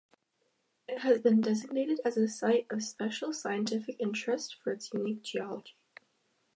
It has been designated a Site of Special Scientific Interest for its unique geology.